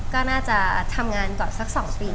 ก็น่าจะทำงานก่อนสักสองปีค่ะ